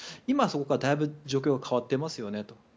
今、そこからだいぶ状況が変わっていますよねと。